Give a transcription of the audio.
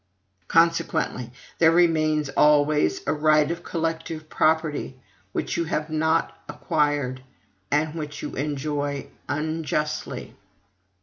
Consequently, there remains always a right of collective property which you have not acquired, and which you enjoy unjustly.